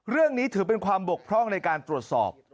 เรื่องนี้ถือเป็นความบกพร่องในการตรวจสอบ